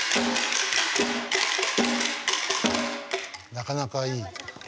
なかなかいい。